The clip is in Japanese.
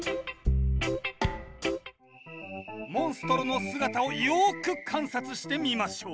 モンストロの姿をよく観察してみましょう。